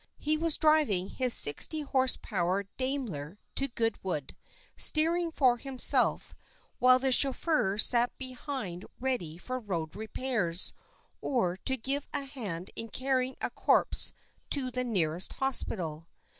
He was driving his sixty horse power Daimler to Goodwood, steering for himself, while the chauffeur sat behind ready for road repairs, or to give a hand in carrying a corpse to the nearest hospital.